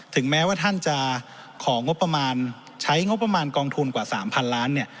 ถึงแม้ว่าท่านจะของงบประมาณใช้งบประมาณกองทุนกว่า๓๐๐ล้านเนี่ย